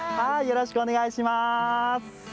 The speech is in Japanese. よろしくお願いします。